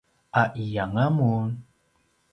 ’aiyanga mun?